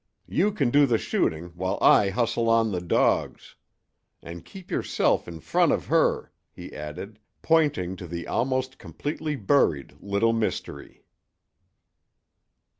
You can do the shooting while I hustle on the dogs. And keep yourself in front of her," he added, pointing to the almost completely buried Little Mystery.